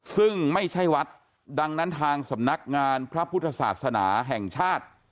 ซึ่งไม่ใช่วัดดังนั้นทางสำนักงานพระพุทธศาสนาแห่งชาติ